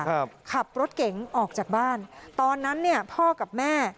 ขับรถเก๋งออกจากบ้านตอนนั้นเนี่ยพ่อกับแม่